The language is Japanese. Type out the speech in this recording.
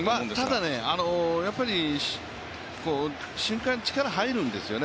ただ、瞬間、力が入るんですよね。